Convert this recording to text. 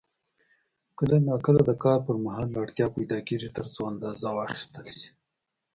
کله نا کله د کار پر مهال اړتیا پیدا کېږي ترڅو اندازه واخیستل شي.